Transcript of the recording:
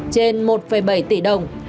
trên một bảy tỷ đồng